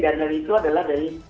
dan dari itu